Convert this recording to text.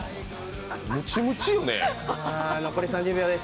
むちむちよね。